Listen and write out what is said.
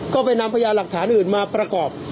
ก็ไปนำพยานหลักฐานอื่นมาประกอบ